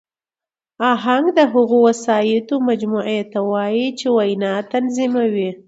آهنګ د هغو وسایطو مجموعې ته وایي، چي وینا تنظیموي.